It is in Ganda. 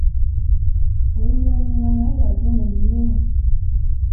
Oluvannyuma naye yagenda ne yeebaka .